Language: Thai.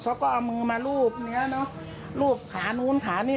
เขาก็เอามือมารูปเนี้ยเนอะรูปขานู้นขานี่